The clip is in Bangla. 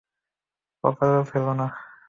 কপালে ফেলো না।